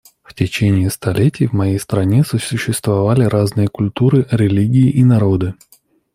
В течение столетий в моей стране сосуществовали разные культуры, религии и народы.